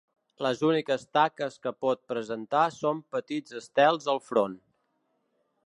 Les úniques taques que pot presentar són petits estels al front.